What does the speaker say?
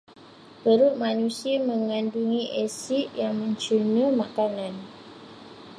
Perut manusia megandungi asid yang mencerna makanan.